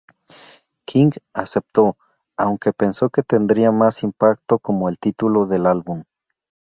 King aceptó, aunque pensó que tendría más impacto como el título del álbum.